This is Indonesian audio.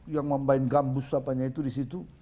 yang main gambus apanya itu di situ